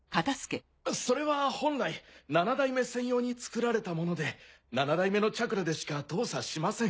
それは本来七代目専用に作られたもので七代目のチャクラでしか動作しません。